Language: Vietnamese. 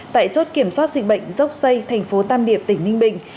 tại chốt kiểm soát dịch bệnh dốc xây thành phố tam điệp tỉnh ninh bình